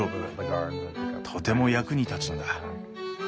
とても役に立つんだ。